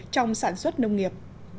trong sản xuất nông nghiệp